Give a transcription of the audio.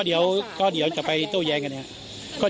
เดี๋ยวจะไปเจ้าแย้งนะครับ